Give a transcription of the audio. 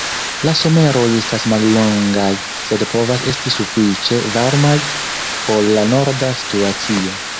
La someroj estas mallongaj, sed povas esti sufiĉe varmaj por la norda situacio.